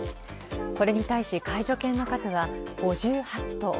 これに対し介助犬の数は５８頭。